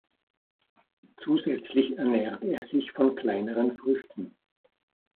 Zusätzlich ernährt er sich von kleineren Früchten.